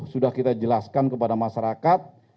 sudah kita jelaskan kepada masyarakat